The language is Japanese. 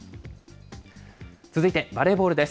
続いてバレーボールです。